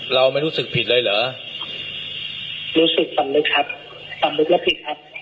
เราไม่รู้สึกผิดเลยเหรอรู้สึกสำนึกครับสำนึกแล้วผิดครับ